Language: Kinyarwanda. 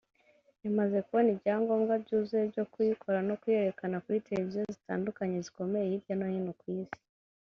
yamaze kubona ibyangombwa byuzuye byo kuyikora no kuyerekana kuri televiziyo zitandukanye zikomeye hirya no hino ku Isi